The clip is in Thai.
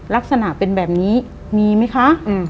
ลักษณะเป็นแบบนี้มีไหมคะ